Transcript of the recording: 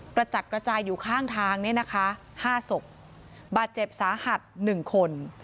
กระจัดกระจายอยู่ข้างทางเนี่ยนะคะห้าศพบาดเจ็บสาหัส๑คน